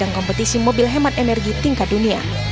kompetisi mobil hemat energi tingkat dunia